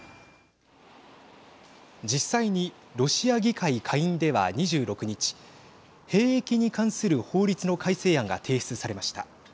実際にロシア議会下院では２６日兵役に関する法律の改正案が提出されました。